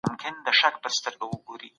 د پښتو ژبې لپاره هره هڅه د ستايلو ده.